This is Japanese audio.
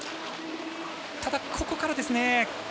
ただ、ここからですね。